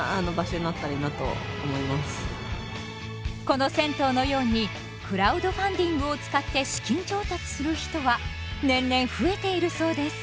この銭湯のようにクラウドファンディングを使って資金調達する人は年々増えているそうです。